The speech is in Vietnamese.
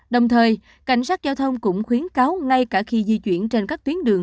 đồng thời cảnh sát giao thông cũng khuyến cáo ngay cả khi di chuyển trên các tuyến đường